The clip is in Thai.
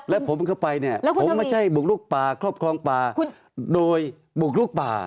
แล้วผมเข้าไปเนี่ยผมไม่ใช่บุกลุกป่าครอบครองป่าโดยบุกลุกป่า